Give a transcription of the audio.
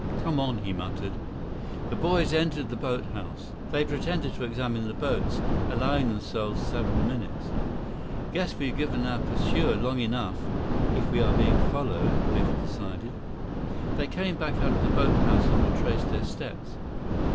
"Come on," he muttered. The boys entered the boathouse. They pretended to examine the boats, allowing themselves several minutes. "Guess we've given our pursuer long enough, if we are being followed," Biff decided. They came back out of the boathouse and retraced their steps.